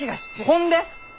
ほんで！？